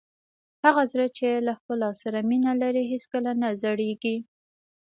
هغه زړه چې له ښکلا سره مینه لري هېڅکله نه زړیږي.